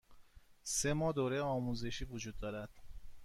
سه ماه دوره آزمایشی وجود دارد.